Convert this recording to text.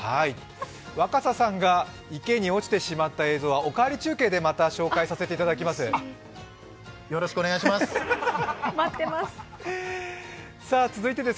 若狭さんが池に落ちてしまった映像は「おかわり中継」でお伝えさせていただきます。